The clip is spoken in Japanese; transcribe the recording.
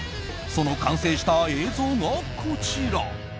その完成した映像が、こちら。